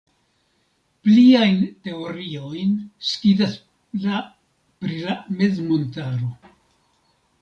Pliajn teoriojn skizas la pri la mezmontaro.